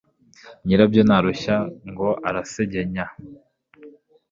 Nyirabyo ntarushya ngo arasegenya !